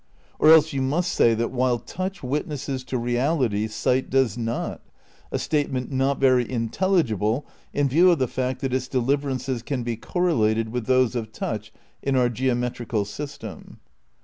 Or else you must say that while touch witnesses to reality sight does not, a state ment not very intelligible in view of the fact that its de liverances can be correlated with those of touch in our geometrical system.